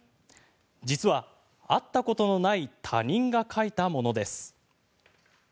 実は会ったことのない他人が書いたものです。